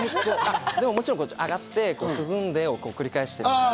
もちろん上がって涼んでを繰り返しています。